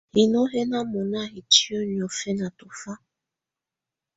Hinô hɛ̀ nà mɔ̀na itìǝ́ niɔ̀fɛna tɔ̀fa.